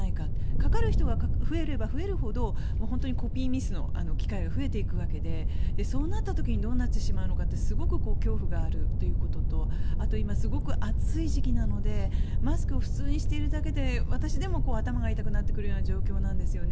かかる人が増えれば増えるほど本当にコピーミスの機会が増えていくわけでそうなった時にどうなってしまうのかってすごく恐怖があるということと今、すごく暑い時期なのでマスクを普通にしているだけで私でも頭が痛くなってくるような状況なんですね。